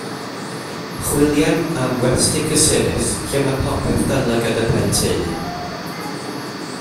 Chwiliem am westy cysurus, lle mae popeth dan lygad y pen-teulu.